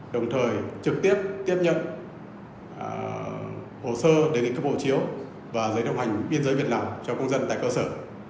đồng thời trực tiếp tiếp nhập hồ sơ đến các bộ chiếu và giấy động hành biên giới việt nam cho công dân tại cơ sở